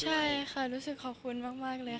ใช่ค่ะรู้สึกขอบคุณมากเลย